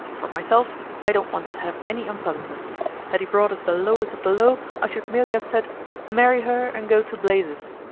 For myself, I don't want to have any unpleasantness. Had he brought us the lowest of the low, I should merely have said: 'Marry her and go to blazes!